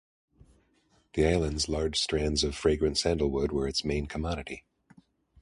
The island's large stands of fragrant sandalwood were its main commodity.